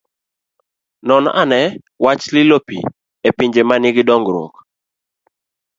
Non ane wach lilo pi e pinje ma nigi dongruok.